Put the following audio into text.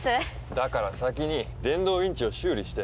だから先に電動ウィンチを修理して。